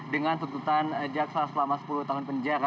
dengan tuntutan jaksa selama sepuluh tahun penjara